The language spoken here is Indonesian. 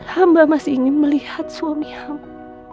hamba masih ingin melihat suami hamba